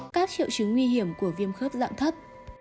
các triệu chứng nguy hiểm của viêm khớp dạng thấp